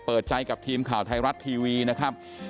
เปิดใจกับทีมข่าวไทยรัฐทีวีนะครับ